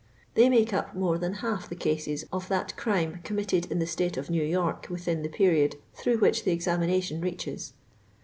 They make up more than half the cases of that crime committed in the state of New York within the period through which the examination reaches.